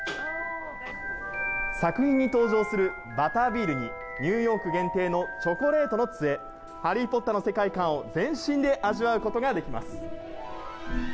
作品に登場するバタービールに、ニューヨーク限定のチョコレートのつえ、ハリー・ポッターの世界観を全身で味わうことができます。